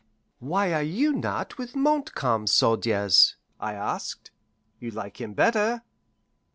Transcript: "Why are you not with Montcalm's soldiers?" I asked. "You like him better."